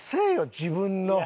自分の。